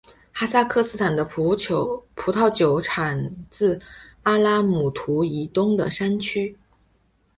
哈萨克斯坦的葡萄酒产自阿拉木图以东的山区。